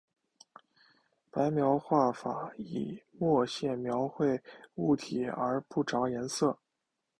白描画法以墨线描绘物体而不着颜色。